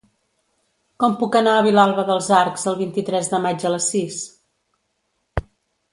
Com puc anar a Vilalba dels Arcs el vint-i-tres de maig a les sis?